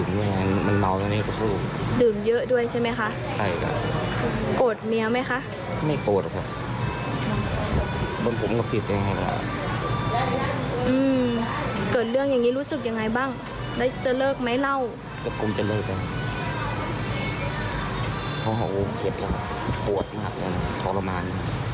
โอ้โหนี่เก็บแล้วอ่ะโหดมากเลยทรมาน